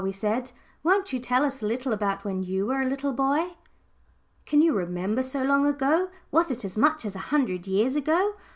we said. "Won't you tell us a little about when you were a little boy?" "Can you remember so long ago? Was it as much as a hundred years ago?"